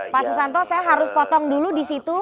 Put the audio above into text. pak susanto saya harus potong dulu di situ